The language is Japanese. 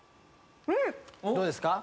どうですか？